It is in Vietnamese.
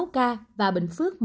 sáu ca bình phước